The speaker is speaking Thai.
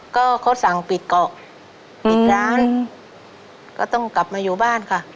ก็เขาสั่งปิดเกาะปิดร้านก็ต้องกลับมาอยู่บ้านค่ะ